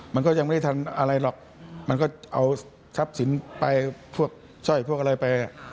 มันก็ยังไม่ได้ทันอะไรหรอกมันก็เอาทรัพย์สินไปพวกสร้อยพวกอะไรไป